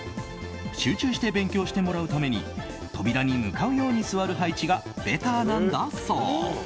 集中して勉強してもらうために扉に向かうように座る配置がベターなんだそう。